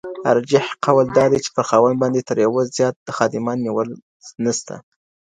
راجح قول دادی، چي پر خاوند باندي تر يوه زيات خادمان نيول نسته.